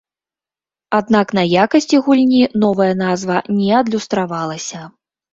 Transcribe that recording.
Аднак на якасці гульні новая назва не адлюстравалася.